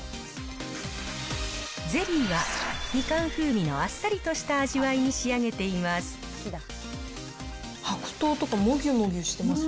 ゼリーは、みかん風味のあっさりとした味わいに仕上げています。